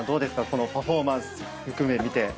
このパフォーマンス含め見て。